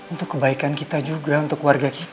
untuk kebaikan kita juga untuk warga kita